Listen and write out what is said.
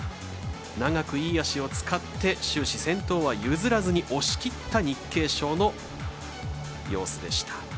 長くいい脚を使って終始、先頭は譲らずに押し切った日経賞の様子でした。